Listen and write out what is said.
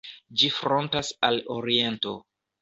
Ĝi frontas al oriento.